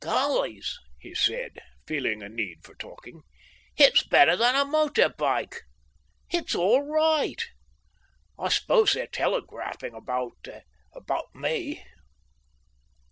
"Gollys!" he said at last, feeling a need for talking; "it's better than a motor bike." "It's all right!" "I suppose they're telegraphing about, about me."...